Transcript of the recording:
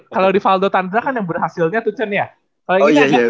kalau di valdo tandra kan yang berhasilnya tuh cun ya